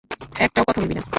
একটাও কথা বলবি না।